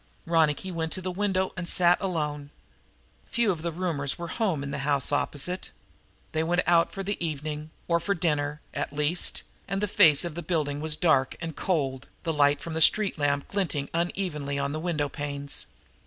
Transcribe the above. Ronicky went to the window and sat alone. Few of the roomers were home in the house opposite. They were out for the evening, or for dinner, at least, and the face of the building was dark and cold, the light from the street lamp glinting unevenly on the windowpanes.